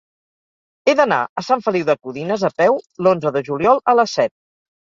He d'anar a Sant Feliu de Codines a peu l'onze de juliol a les set.